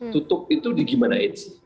tutup itu di gimana itu sih